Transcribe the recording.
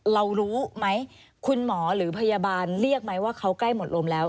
รู้ไหมคุณหมอหรือพยาบาลเรียกไหมว่าเขาใกล้หมดลมแล้ว